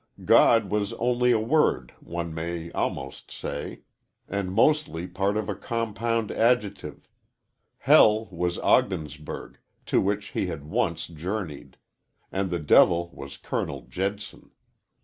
God was only a word one may almost say and mostly part of a compound adjective; hell was Ogdensburg, to which he had once journeyed; and the devil was Colonel Jedson.